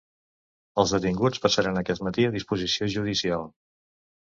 Els detinguts passaran aquest matí a disposició judicial.